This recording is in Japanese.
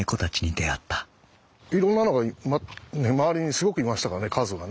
いろんなのが周りにすごくいましたからね数がね。